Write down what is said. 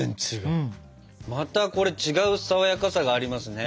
またこれ違う爽やかさがありますね。